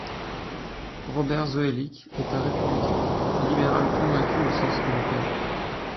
Robert Zoellick est un républicain, libéral convaincu au sens européen.